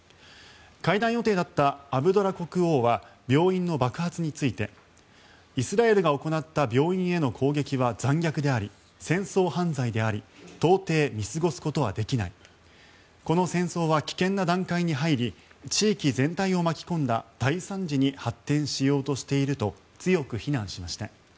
会談予定だったアブドラ国王は病院の爆発についてイスラエルが行った病院への攻撃は残虐であり戦争犯罪であり到底、見過ごすことはできないこの戦争は危険な段階に入り地域全体を巻き込んだ大惨事に発展しようとしていると強く非難しました。